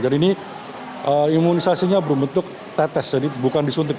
jadi ini imunisasinya berbentuk tetes jadi bukan disuntik